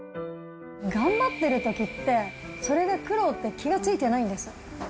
頑張ってるときって、それが苦労って気が付いてないんです。